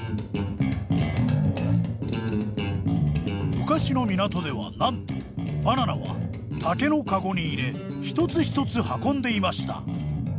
昔の港ではなんとバナナは竹のカゴに入れ一つ一つ運んでいました。